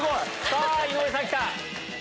さぁ井上さん来た。